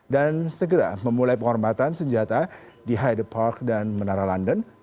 dan segera memulai penghormatan senjata di hyde park dan menara london